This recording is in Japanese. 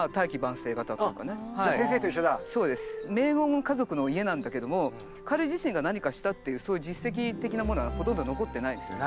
名門の家族の家なんだけども彼自身が何かしたっていうそういう実績的なものはほとんど残ってないですね。